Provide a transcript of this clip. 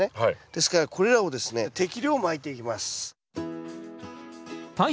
ですからこれらをですね適量まいていきます。